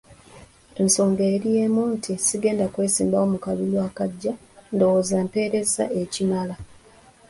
Ensonga eri emu nti sigenda kwesimbawo mu kalulu akajja ndowooza mpeerezza ekimala.